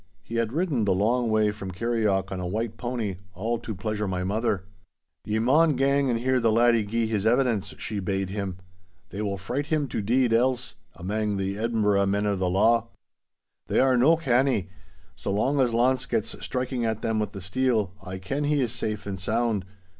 He had ridden the long way from Kirrieoch on a white pony, all to pleasure my mother. 'Ye maun gang and hear the laddie gie his evidence,' she bade him. 'They will fright him to deid else, amang thae Edinburgh men o' the law. They are no canny. So long as Launce gets striking at them with the steel I ken he is safe and sound.